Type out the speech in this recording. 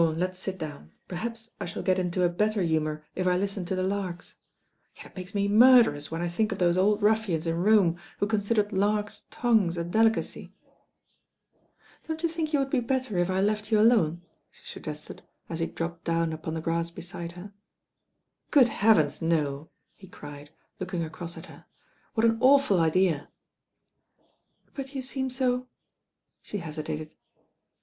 let's sit down, perhaps I shall get into a better humour if I listen to the larks. Yet it makes me murderous when I think of those old rufBans in :,! 'I k i, 188 THE RAIN OIRL Rome who considered larkt' tongues a delicacy." "Don't you think you would be better if I left you alone?" she suggested, as he dropped down upon the grass beside her. "Good heavens, no I" he cried, looking across at her. "What an awful idea." "But you seem so—" she hesitated.